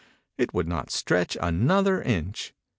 It would not stretch an other inch.